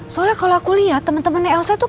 soalnya kalau aku lihat temen temennya elsa tuh